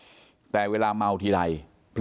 ทีนี้ก็ต้องถามคนกลางหน่อยกันแล้วกัน